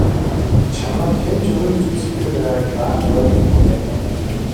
Чамайг хэн ч үнэлж үзэхгүй байгааг даанч ойлгохгүй байна уу?